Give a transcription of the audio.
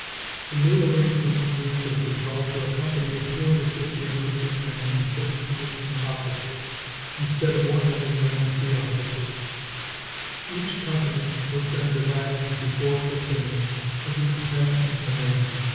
The new arrangement of the infantry called for a company of 250 enlisted men and 6 commissioned officers, instead of 100 men and 3 officers. Each company was then divided into 4 platoons, with a lieutenant in command.